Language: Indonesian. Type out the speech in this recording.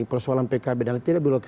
persoalan pkb dan lain lain